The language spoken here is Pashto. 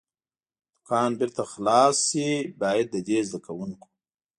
دوکان بېرته خلاص شي، باید د دې زده کوونکو.